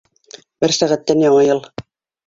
Бер сәғәттән Яңы йыл!